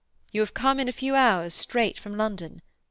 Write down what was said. You have come in a few hours straight from London.